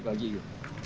kalau jam sembilan gitu